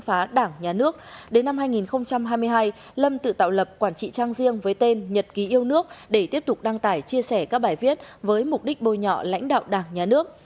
phá đảng nhà nước đến năm hai nghìn hai mươi hai lâm tự tạo lập quản trị trang riêng với tên nhật ký yêu nước để tiếp tục đăng tải chia sẻ các bài viết với mục đích bôi nhọ lãnh đạo đảng nhà nước